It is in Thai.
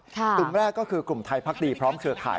กลุ่มแรกก็คือกลุ่มไทยพักดีพร้อมเครือข่าย